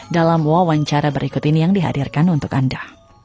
dalam wawancara berikut ini yang dihadirkan untuk anda